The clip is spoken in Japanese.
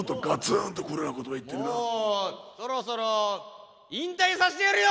そろそろ引退させてやるよ